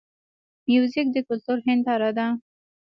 موزیک د کلتور هنداره ده.